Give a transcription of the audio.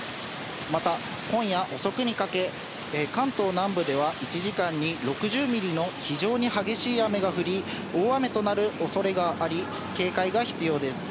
また今夜遅くにかけ、関東南部では、１時間に６０ミリの非常に激しい雨が降り、大雨となるおそれがあり、警戒が必要です。